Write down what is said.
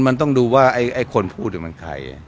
มันต้องดูว่าไอ้คนพูดมันใคร